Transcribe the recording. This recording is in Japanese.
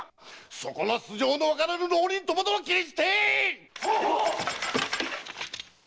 その素性のわからぬ浪人ともども斬り捨てい‼